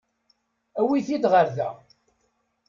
Awit-t-id ɣer da.